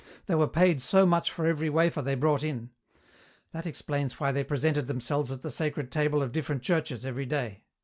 They were paid so much for every wafer they brought in. That explains why they presented themselves at the sacred table of different churches every day."